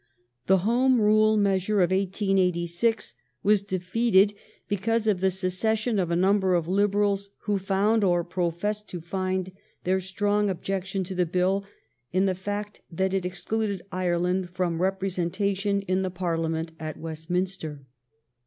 The Home Rule measure of 1886 was defeated because of the secession of a number of Liberals who found, or professed to find, their strong objection to the Bill in the fact that it excluded Ireland from representation in the Parliament at Westminster.